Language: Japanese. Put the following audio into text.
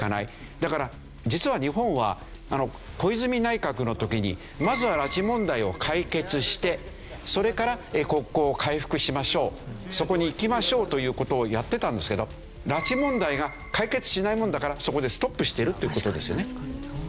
だから実は日本は小泉内閣の時にまずは拉致問題を解決してそれから国交を回復しましょうそこにいきましょうという事をやってたんですけど拉致問題が解決しないもんだからそこでストップしてるという事ですよね。